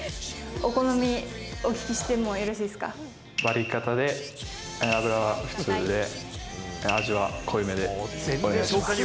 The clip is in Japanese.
お好み、お聞きしてもよろしバリカタで、油はふつうで、味は濃いめでお願いします。